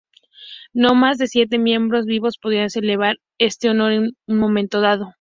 No más de siete miembros vivos podrán celebrar este honor en un momento dado.